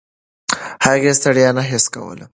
هغه ستړیا نه حس کوله.